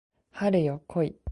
春よ来い